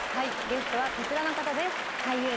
ゲストはこちらの方です。